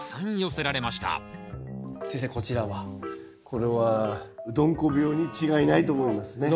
これはうどんこ病に違いないと思いますね。